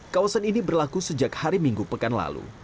kawasan ini berlaku sejak hari minggu pekan lalu